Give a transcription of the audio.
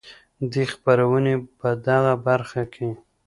دې خپرونې په د برخه کې